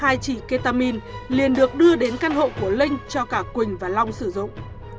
hai chỉ ketamin liền được đưa đến căn hộ của linh cho cả quỳnh và long sử dụng